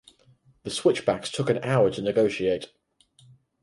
The switchbacks took an hour to negotiate.